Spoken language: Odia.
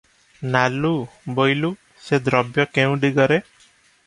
ନାଲୁ- ବୋଇଲୁ, ସେ ଦ୍ରବ୍ୟ କେଉଁ ଦିଗରେ?